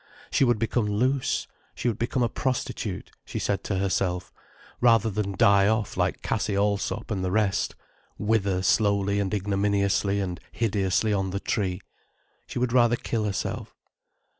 She would become loose, she would become a prostitute, she said to herself, rather than die off like Cassie Allsop and the rest, wither slowly and ignominiously and hideously on the tree. She would rather kill herself.